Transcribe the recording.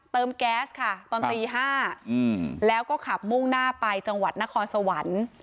แก๊สค่ะตอนตี๕แล้วก็ขับมุ่งหน้าไปจังหวัดนครสวรรค์